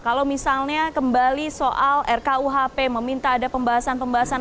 kalau misalnya kembali soal rkuhp meminta ada pembahasan pembahasan